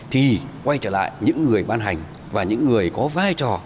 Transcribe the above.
thì quay trở lại những người ban hành và những người có vai trò